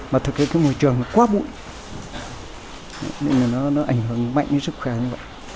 mà thực ra môi trường quá bụi nên nó ảnh hưởng mạnh với sức khỏe